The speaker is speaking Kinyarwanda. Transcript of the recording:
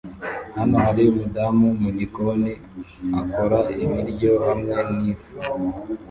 Hano hari umudamu mugikoni akora ibiryo hamwe nifu